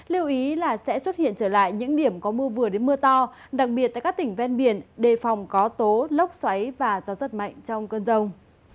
lưu ý là sẽ xuất hiện trở lại những điểm có mưa vừa đến mưa to đặc biệt tại các tỉnh ven biển đề phòng có tố lốc xoáy và gió rất mạnh trong cơn rông